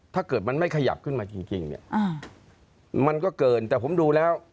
ถ้าเกิดมันไม่ขยับขึ้นมาจริงเนี่ยมันก็เกินแต่ผมดูแล้ว